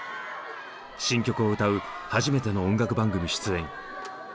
新曲を歌う初めての音楽番組出演。